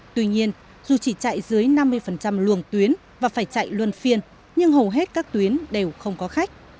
tuy nhiên dù chỉ chạy dưới năm mươi luồng tuyến và phải chạy luân phiên nhưng hầu hết các tuyến đều không có khách